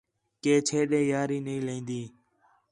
کہ چھے ݙے یاری نہیں لائین٘دا